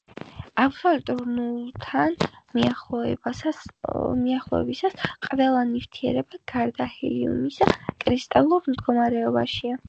აბსოლუტურ ნულთან მიახლოებისას ყველა ნივთიერება, გარდა ჰელიუმისა, კრისტალურ მდგომარეობაშია.